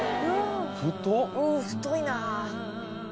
うん太いなあ！